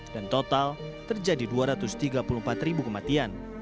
dan total terjadi dua ratus tiga puluh empat kematian